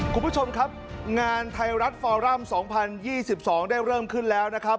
คุณผู้ชมครับงานไทยรัฐฟอรัม๒๐๒๒ได้เริ่มขึ้นแล้วนะครับ